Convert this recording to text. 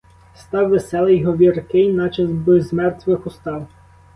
Став веселий, говіркий, наче б з мертвих устав.